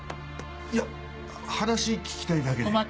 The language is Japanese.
いや話聞きたいだけで。